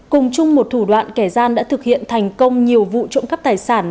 cùng chung một thủ đoạn kẻ gian đã thực hiện thành công nhiều vụ trộm cắp tài sản